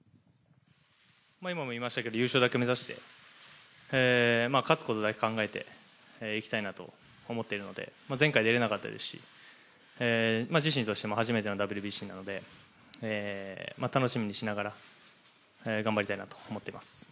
今も言いましたけど、優勝だけ目指して、勝つことだけ考えていきたいなと思っているので前回出られなかったですし、自身としても初めてのＷＢＣなので楽しみにしながら、頑張りたいなと思っています。